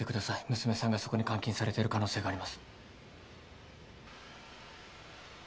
娘さんがそこに監禁されている可能性があります。